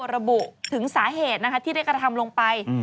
ระบุถึงสาเหตุที่ได้กระทำลงไป